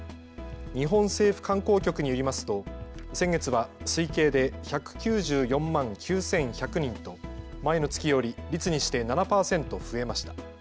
日本政府観光局によりますと先月は推計で１９４万９１００人と前の月より率にして７％増えました。